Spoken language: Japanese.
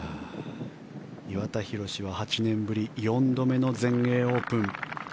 岩田寛は８年ぶり４度目の全英オープン。